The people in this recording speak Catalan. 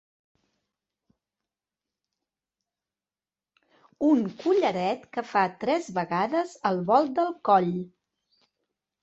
Un collaret que fa tres vegades el volt del coll.